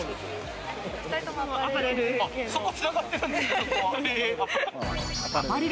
２人ともアパレル。